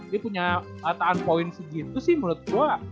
dia punya rataan poin segitu sih menurut gue